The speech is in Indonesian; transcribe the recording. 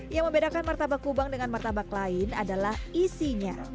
yang membedakan martabak kubang dengan martabak lain adalah isinya